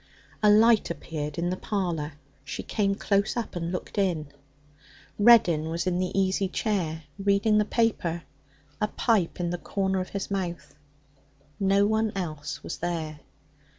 A light appeared in the parlour. She came close up and looked in. Reddin was in the easy chair, reading the paper, a pipe in the corner of his mouth. No one else was there.